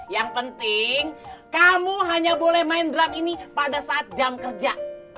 yang penting kamu hanya boleh main drum ini pada saat jam kerja